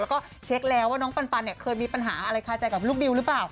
แล้วก็เช็คแล้วว่าน้องปันเนี่ยเคยมีปัญหาอะไรคาใจกับลูกดิวหรือเปล่า